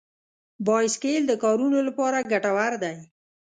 بایسکل د کارونو لپاره ګټور دی.